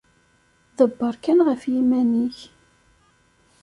Ḍebber kan ɣef yiman-ik.